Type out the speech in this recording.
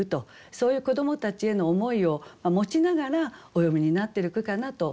そういう子どもたちへの思いを持ちながらお詠みになってる句かなと思いました。